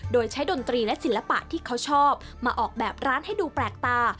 โดยใช้ดนตรีและศิลปะที่เขาชอบมาออกแบบร้านให้ดูแปลกตา